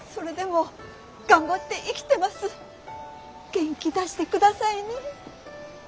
元気出してくださいね。